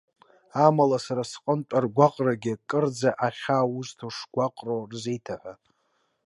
Амала сара сҟынтә аргәаҟрагьы, кырӡа ахьаа узҭо шгәаҟроу рзеиҭаҳәа!